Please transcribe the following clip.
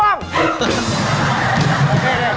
โอเค